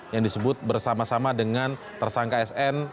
yang disebut bersama sama dengan tersangka sn